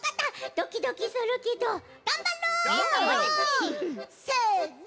ドキドキするけどがんばる！せの。